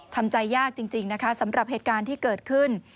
ทำใจยากจริงนะคะสำหรับเหตุการณ์ที่เกิดขึ้น